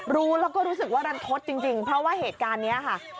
รู้แล้วก็รู้สึกว่ารันทศจริงเพราะว่าเหตุการณ์นี้ค่ะ